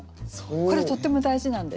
これとっても大事なんですよ。